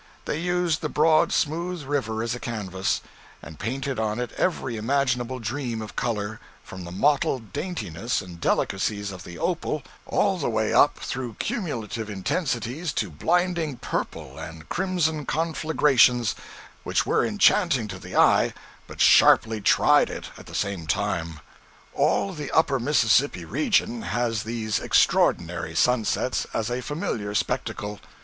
They used the broad smooth river as a canvas, and painted on it every imaginable dream of color, from the mottled daintinesses and delicacies of the opal, all the way up, through cumulative intensities, to blinding purple and crimson conflagrations which were enchanting to the eye, but sharply tried it at the same time. All the Upper Mississippi region has these extraordinary sunsets as a familiar spectacle.